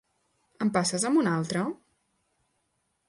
Em passes amb un altre?